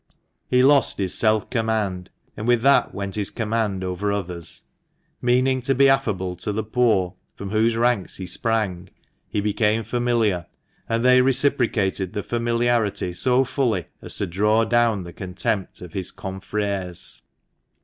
He lost his self command, and with that went his command over others. Meaning to be affable to the poor, from whose ranks he sprang, he became familiar ; and they reciprocated the familiarity so fully as to draw down the contempt of his confreres.